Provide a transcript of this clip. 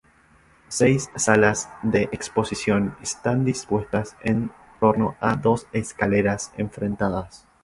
Seis salas de exposición están dispuestas en torno a dos escaleras enfrentadas.